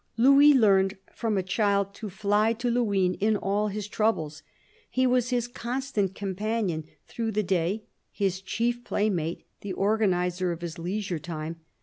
Louis learned, from a child, to fly to Luynes in all his troubles. He was his constant companion through the day, his chief playmate, the organiser of his leisure time.